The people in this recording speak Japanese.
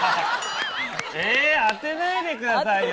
えぇ当てないでくださいよ。